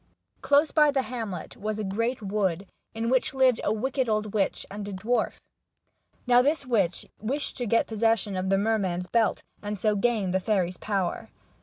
Close by the hamlet was a great wood, in which lived a wicked old witch and a dwarf. Now this witch wished to get possession of the merman's belt, and so gain the fairy's power.